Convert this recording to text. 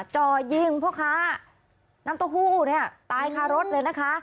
จอยิงเพราะค้าน้ำตะหู้เนี่ยตายค่ะรถเลยนะคะ